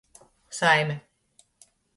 Saime.